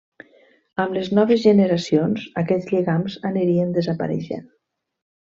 Amb les noves generacions, aquests lligams anirien desapareixent.